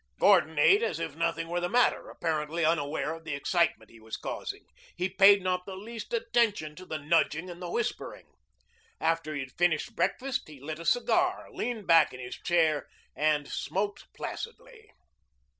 Gordon ate as if nothing were the matter, apparently unaware of the excitement he was causing. He paid not the least attention to the nudging and the whispering. After he had finished breakfast, he lit a cigar, leaned back in his chair, and smoked placidly.